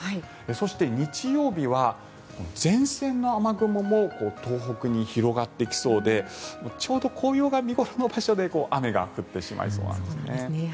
そして、日曜日は前線の雨雲も東北に広がってきそうでちょうど紅葉が見頃の場所で雨が降ってしまいそうなんですね。